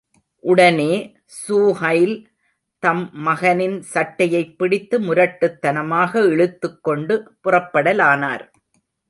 உடனே ஸூஹைல் தம் மகனின் சட்டையைப் பிடித்து, முரட்டுத்தனமாக இழுத்துக் கொண்டு புறப்படலானார்.